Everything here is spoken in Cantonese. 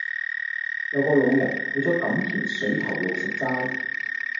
有個老人去左錦田水頭路食齋